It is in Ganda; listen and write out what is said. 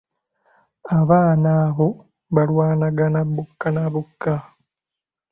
Abaana abo baalwanagana bokka na bokka.